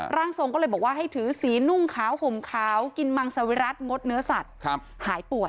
ร่างทรงก็เลยบอกว่าให้ถือสีนุ่งขาวห่มขาวกินมังสวิรัติงดเนื้อสัตว์หายปวด